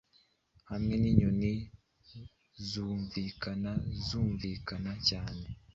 Hamwe ninyoni zumvikana zumvikana cyane